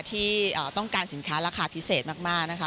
ที่ต้องการสินค้าราคาพิเศษมากนะคะ